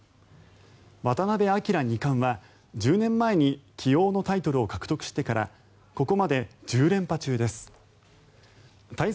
渡辺明二冠は、１０年前に棋王のタイトルを獲得してからここまで１０連覇中です。